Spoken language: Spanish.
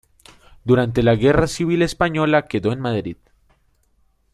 Durante la Guerra Civil Española quedó en Madrid.